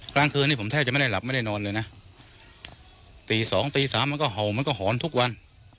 กลางคืนนี้ผมแทบจะไม่ได้หลับไม่ได้นอนเลยนะตีสองตีสามมันก็เห่ามันก็หอนทุกวัน